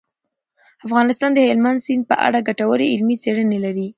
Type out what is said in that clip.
افغانستان د هلمند سیند په اړه ګټورې علمي څېړنې لري.